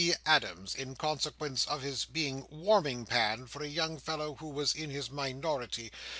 Adams, in consequence of his being Warming Pan for a young fellow who was in his minority.